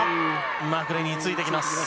マクレニーついてきます。